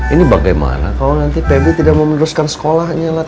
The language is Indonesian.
ini bagaimana kalau nanti febri tidak mau meneruskan sekolahnya lah